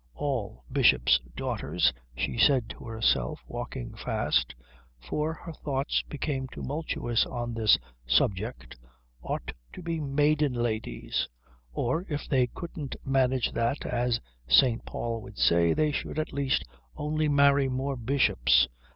All bishops' daughters, she said to herself walking fast, for her thoughts became tumultuous on this subject, ought to be maiden ladies; or, if they couldn't manage that as St. Paul would say, they should at least only marry more bishops.